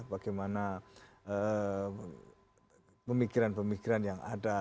bagaimana pemikiran pemikiran yang ada